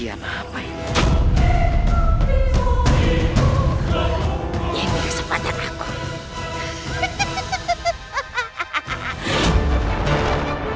yang mirip sepadaku